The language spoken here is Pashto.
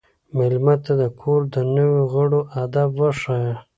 مېلمه ته د کور د نورو غړو ادب وښایه.